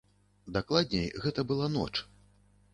Дакладней, гэта была ноч.